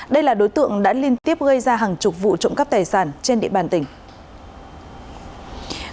đây là đối tượng đã liên tiếp gây ra hàng chục vụ trộm cắp tài sản trên địa bàn tỉnh